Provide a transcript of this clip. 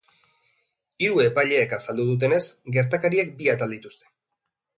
Hiru epaileek azaldu dutenez, gertakariek bi atal dituzte.